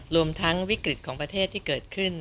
รวมทั้งวิกฤตของประเทศที่เกิดขึ้น